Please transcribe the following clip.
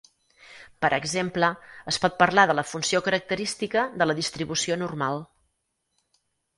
Per exemple, es pot parlar de la funció característica de la distribució normal.